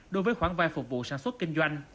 đối với khoản vay phục vụ sản xuất kinh doanh